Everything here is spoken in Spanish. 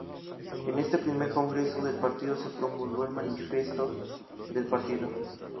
En este Primer Congreso del partido se promulgó el manifiesto del partido.